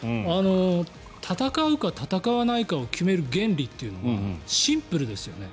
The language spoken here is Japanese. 戦うか戦わないかを決める原理というのはシンプルですよね。